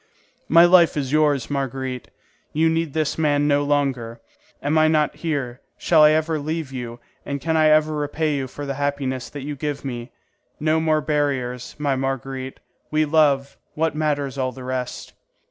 "My life is yours, Marguerite; you need this man no longer. Am I not here? Shall I ever leave you, and can I ever repay you for the happiness that you give me? No more barriers, my Marguerite; we love; what matters all the rest?"